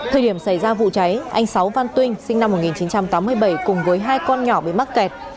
thời điểm xảy ra vụ cháy anh sáu văn tuyên sinh năm một nghìn chín trăm tám mươi bảy cùng với hai con nhỏ bị mắc kẹt